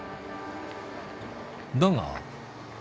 だが。